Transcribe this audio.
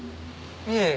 いえ。